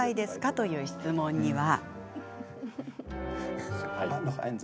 という質問には。